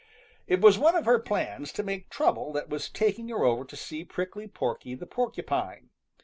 It was one of her plans to make trouble that was taking her over to see Prickly Porky the Porcupine.